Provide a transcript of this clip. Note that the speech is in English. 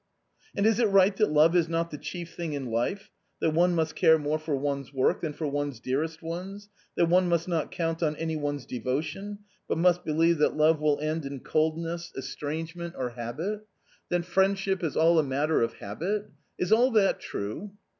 " And is it right that love is not the chief thing in life, that one must care more for one's work than for one's dearest ones, that one must not count on any one's devotion, but must believe that love will end in coldness, estrangement, 232 A COMMON STORY or habit ? that friendship is all a matter of habit ? Is all that true?"